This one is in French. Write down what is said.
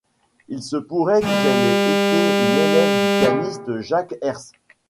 Il se pourrait qu'elle ait été une élève du pianiste Jacques Herz.